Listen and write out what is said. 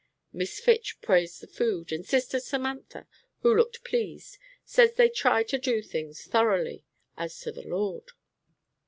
Miss Fitch praised the food, and Sister Samantha, who looked pleased, said they tried to do things thoroughly, "as to the Lord."